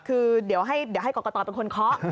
คือเดี๋ยวให้กรกตเป็นคนเคาะ